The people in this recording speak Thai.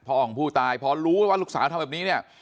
พ่อของผู้ตายพ่อรู้ว่าลูกสาวทำแบบนี้